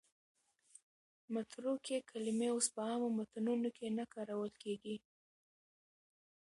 متروکې کلمې اوس په عامو متنونو کې نه کارول کېږي.